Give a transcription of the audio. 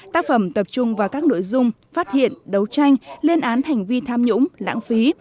tác phẩm tập trung vào các nội dung phát hiện đấu tranh lên án hành vi tham nhũng lãng phí